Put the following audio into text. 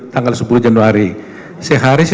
tanggal sepuluh januari sehari